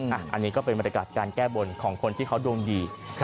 อันนี้ก็เป็นบรรยากาศการแก้บนของคนที่เขาดวงดี